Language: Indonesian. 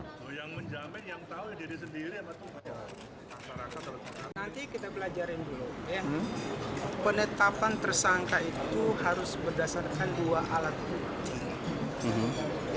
nanti kita belajarin dulu penetapan tersangka itu harus berdasarkan dua alat bukti